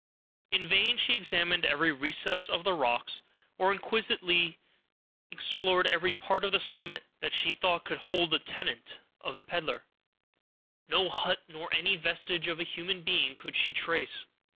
In vain she examined every recess of the rocks, or inquisitively explored every part of the summit that she thought could hold the tenement of the peddler. No hut, nor any vestige of a human being could she trace.